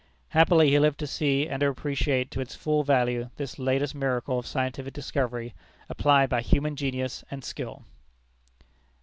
Happily he lived to see and to appreciate to its full value this latest miracle of scientific discovery, applied by human genius and skill.